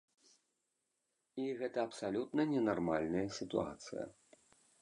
І гэта абсалютна ненармальная сітуацыя.